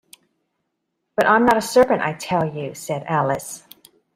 ‘But I’m not a serpent, I tell you!’ said Alice.